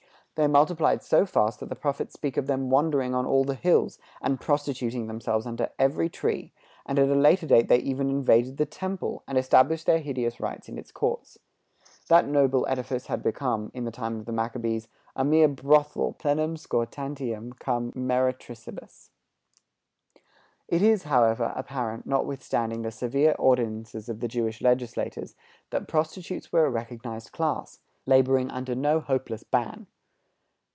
They multiplied so fast that the prophets speak of them wandering on all the hills, and prostituting themselves under every tree, and at a later date they even invaded the Temple, and established their hideous rites in its courts. That noble edifice had become, in the time of Maccabees, a mere brothel plenum scortantium cum meretricibus. It is, however, apparent, notwithstanding the severe ordinances of the Jewish legislators, that prostitutes were a recognized class, laboring under no hopeless ban.